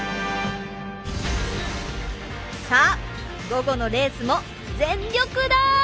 さあ午後のレースも全力だ！